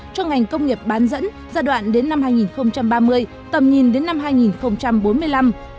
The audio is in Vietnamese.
cho ngành công nghiệp bán dẫn giai đoạn đến năm hai nghìn ba mươi tầm nhìn đến năm hai nghìn bốn mươi năm